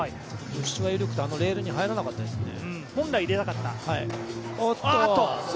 緩くてレールに入らなかったですね。